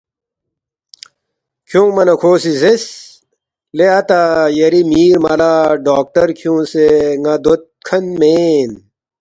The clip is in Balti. کھیونگما نہ کھو سی زیرس، ”لے اتا یری میر مَلّا ڈاکٹر کھیونگسے ن٘ا دود کھن مین